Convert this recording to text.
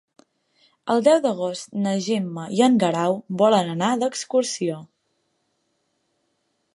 El deu d'agost na Gemma i en Guerau volen anar d'excursió.